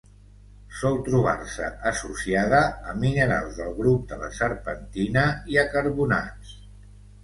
Sol trobar-se associada a minerals del grup de la serpentina i a carbonats.